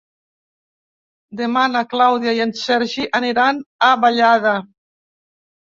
Demà na Clàudia i en Sergi aniran a Vallada.